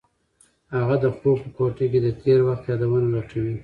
هغه د خوب په کوټه کې د تېر وخت یادونه لټوي.